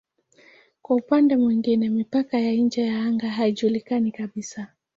Kwa upande mwingine mipaka ya nje ya anga haijulikani kabisa.